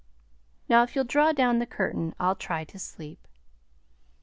Now if you'll draw down the curtin, I'll try to sleep."